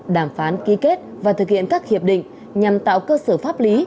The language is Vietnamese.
đàm phán ký kết và thực hiện các hiệp định nhằm tạo cơ sở pháp lý